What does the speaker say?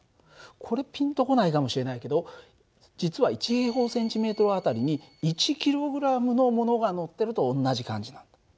これピンと来ないかもしれないけど実は１あたりに１ｋｇのものがのってると同じ感じなんだ。